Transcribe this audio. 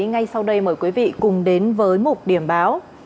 ngay sau đây mời quý vị cùng đến với mục điểm báo